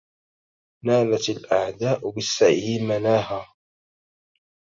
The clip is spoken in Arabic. نالت الأعداء بالسعي مناها